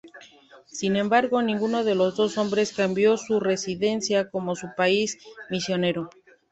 Sin embargo, ninguno de los dos hombres cambió su residencia como su país misionero.